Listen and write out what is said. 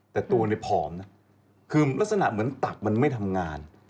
แต่ตัวเนี่ยผอมนะคือลักษณะเหมือนตักมันไม่ทำงาน